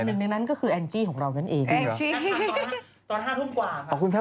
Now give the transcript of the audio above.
นึงนั่นเองก็คือแอนจี้ของเรานั้นเอง